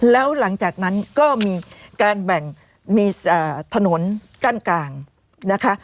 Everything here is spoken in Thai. แล้วหลังจากนั้นก็มีการแบ่งมีถนนกั้นกลางนะคะ